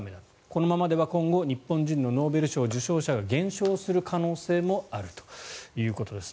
このままでは今後日本人のノーベル賞受賞者が減少する可能性もあるということです。